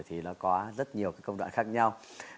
thì nó có rất nhiều công đoạn khác nhau